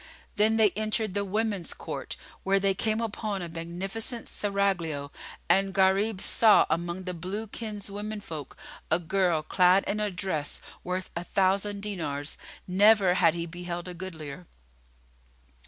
Then they entered the women's court, where they came upon a magnificent serraglio and Gharib saw, among the Blue King's woman folk a girl clad in a dress worth a thousand dinars, never had he beheld a goodlier.